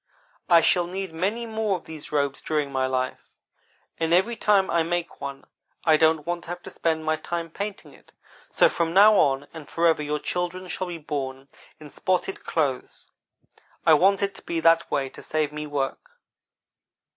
I shall need many more of these robes during my life; and every time I make one, I don't want to have to spend my time painting it; so from now on and forever your children shall be born in spotted clothes. I want it to be that way to save me work.